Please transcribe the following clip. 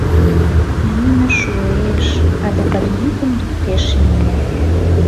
— Йӱмӧ шуэш... — адакат йӱкым луктеш Лиля.